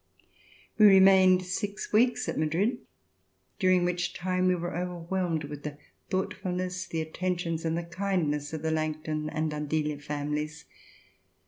We remained six weeks at Madrid, during which time we were overwhelmed with the thoughtfulness, the attentions and the kindness of the Langton and Andilla families.